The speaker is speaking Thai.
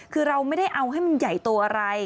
คือเราไม่ได้เอาให้มันใหญ่ตัวอะไร